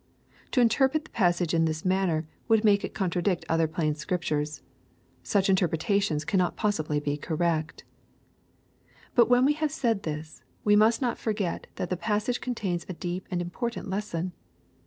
To in terpret the passage in this manner would make it contra dict other plain Scriptures. Such interpretations cannot possibly be correct. But when we have said this, we must not forget that the passage contains a deep and important lesson.